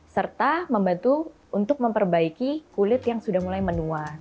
serta membantu untuk memperbaiki kulit yang sudah mulai menua